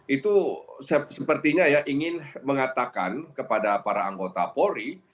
itu sepertinya ya ingin mengatakan kepada para anggota polri